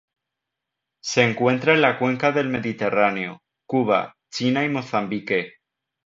Se encuentra en la cuenca del Mediterráneo, Cuba, China y Mozambique.